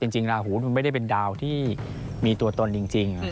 จริงราหูมันไม่ได้เป็นดาวที่มีตัวตนจริง